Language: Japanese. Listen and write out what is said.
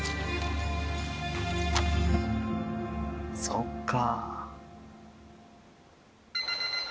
そっか。